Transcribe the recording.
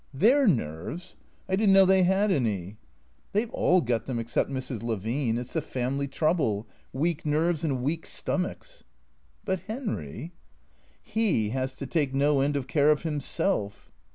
"Their nerves? I didn't know they had any." " They 've all got them except Mrs. Levine. It 's the family trouble. Weak nerves and weak stomachs." "But Henry "''' He has to take no end of care of himself."